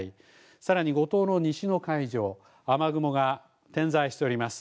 さらに五島の西の海上、雨雲が点在しております。